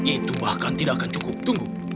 itu bahkan tidak akan cukup tunggu